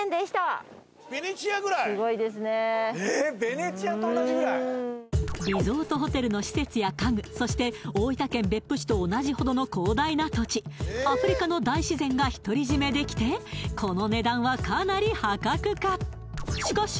すごいですねリゾートホテルの施設や家具そして大分県別府市と同じほどの広大な土地アフリカの大自然が独り占めできてこの値段はかなり破格か？